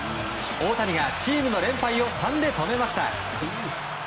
大谷がチームの連敗を３で止めました。